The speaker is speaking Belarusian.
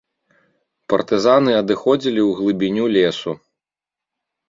Партызаны адыходзілі ў глыбіню лесу.